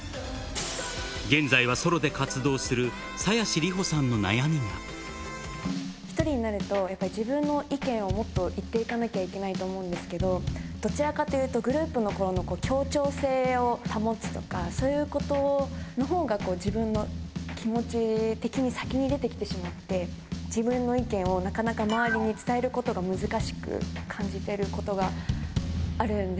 現在はソロで活動する、１人になると、やっぱり自分の意見をもっと言っていかなきゃいけないと思うんですけど、どちらかというと、グループのころの協調性を保つとか、そういうことのほうが、自分の気持ち的に、先に出てきてしまって、自分の意見をなかなか周りに伝えることが難しく感じてることがあ